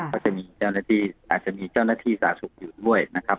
ก็จะมีเจ้าหน้าที่อาจจะมีเจ้าหน้าที่สาธารณสุขอยู่ด้วยนะครับ